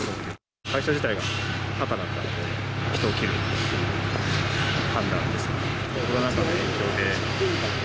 会社自体が赤だったので、人を切るって判断です。